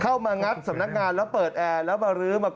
เข้ามางัดสำนักงานแล้วเปิดแอร์